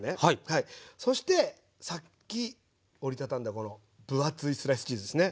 そしてさっき折り畳んだこの分厚いスライスチーズですね。